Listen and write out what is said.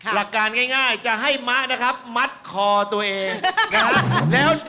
หลักการง่ายจะให้มะนะครับมัดคอตัวเองนะฮะ